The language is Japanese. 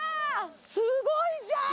すごいじゃん！